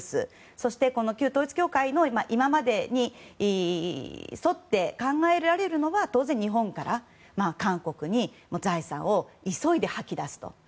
そして旧統一教会の今までに沿って考えられるのは当然、日本から韓国に財産を急いで吐き出すと。